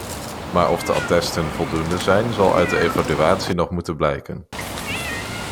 Maar of de attesten voldoende zijn zal uit de evaluatie nog moeten blijken.